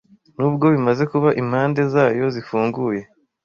nubwo bimaze kuba impande zayo zifunguye